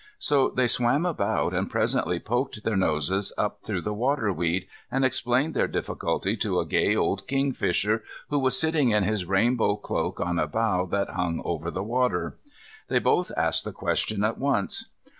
So they swam about, and presently poked their noses up through the water weed, and explained their difficulty to a gay old Kingfisher, who was sitting in his rainbow cloak on a bough that hung over the water. They both asked the question at once.